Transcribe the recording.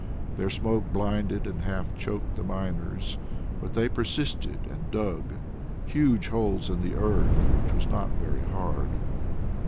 Their smoke blinded and half choked the miners, but they persisted and dug huge holes in the earth which was not very hard.